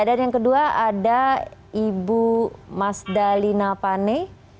dan yang kedua ada ibu mas dalina pane